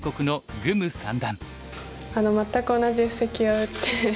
全く同じ布石を打って。